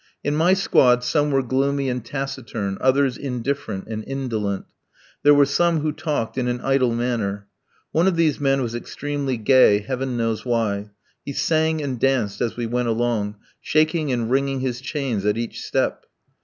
In my squad some were gloomy and taciturn, others indifferent and indolent. There were some who talked in an idle manner. One of these men was extremely gay, heaven knows why. He sang and danced as we went along, shaking and ringing his chains at each step.